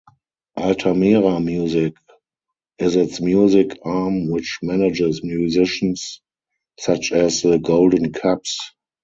Altamira Music is its music arm which manages musicians such as The Golden Cups.